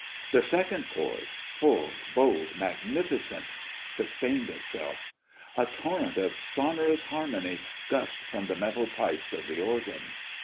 The second chord, full, bold, magnificent, sustained itself. A torrent of sonorous harmony gushed from the metal pipes of the organ.